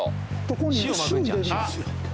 ここに住んでるんですよ